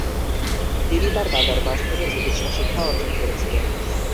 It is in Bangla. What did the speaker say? তিনি তার দাদার কাছ থেকে চিকিৎসা শিক্ষা অর্জন করেছিলেন।